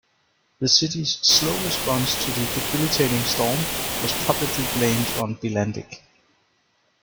The city's slow response to the debilitating storm was publicly blamed on Bilandic.